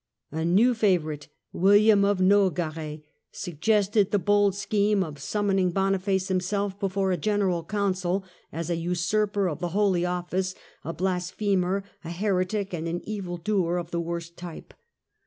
A new favourite, William of Nogaret, suggested the bold scheme of summoning Boniface himself before a General Council as a usurper of the holy office, a blasphemer, a heretic and an evil doer of the worst type.